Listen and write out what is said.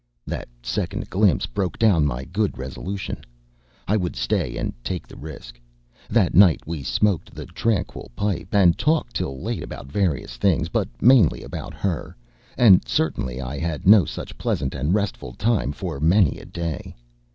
That second glimpse broke down my good resolution. I would stay and take the risk. That night we smoked the tranquil pipe, and talked till late about various things, but mainly about her; and certainly I had had no such pleasant and restful time for many a day.